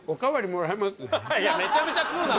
いやめちゃめちゃ食うな！